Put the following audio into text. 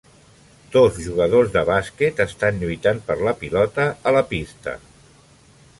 Dos jugadors de bàsquet estan lluitant per la pilota a la pista.